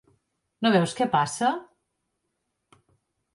No veus què passa?